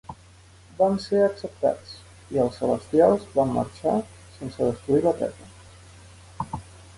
Van ser acceptats, i els Celestials van marxar sense destruir la Terra.